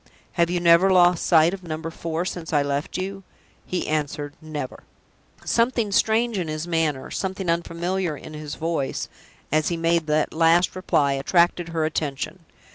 "Have you never lost sight of Number Four since I left you?" He answered, "Never!" Something strange in his manner, something unfamiliar in his voice, as he made that last reply, attracted her attention.